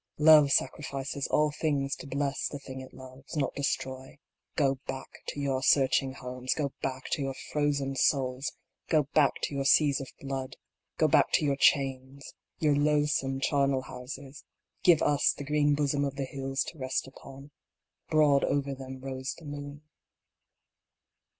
Love sacrifices all things to bless the thing it loves, not destroy. Go back to your scorching homes ; Go back to your frozen souls ; Go back to your seas of blood ; Go back to your chains, your loathsome charnel houses ; Give us the green bosom of the hills to rest upon ; Broad over them rose the moon.